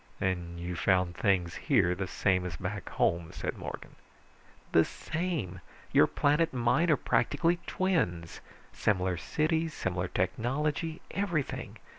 "And you found things here the same as back home," said Morgan. "The same! Your planet and mine are practically twins. Similar cities, similar technology, everything.